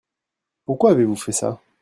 Pourquoi avez-vous fait ça ?